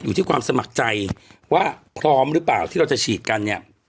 อยู่ที่ความสมัครใจว่าพร้อมหรือเปล่าที่เราจะฉีดกันเนี่ย